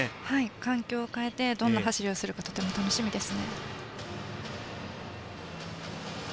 環境を変えてどんな走りをするかとても楽しみです。